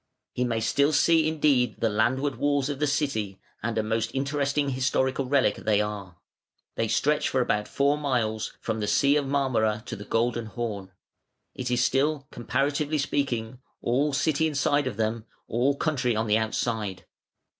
He may still see indeed the land ward walls of the city, and a most interesting historical relic they are. They stretch for about four miles, from the Sea of Marmora to the Golden Horn. It is still, comparatively speaking, all city inside of them, all country on the outside.